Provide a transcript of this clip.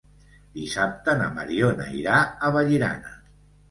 Dissabte na Mariona irà a Vallirana.